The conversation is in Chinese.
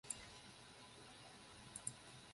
赫克托是一个位于美国阿肯色州波普县的城镇。